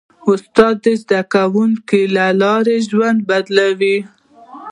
استاد د زدهکړې له لارې ژوند بدلوي.